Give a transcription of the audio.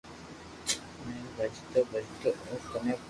ھين ڀجتو ڀجتو او ڪني پوچو گيو